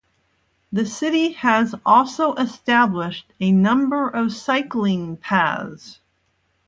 The city has also established a number of cycling paths.